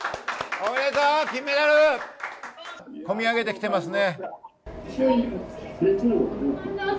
おめでとう金メダル！込み上げてきてますね。